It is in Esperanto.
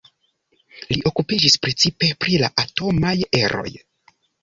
Li okupiĝis precipe pri la atomaj eroj.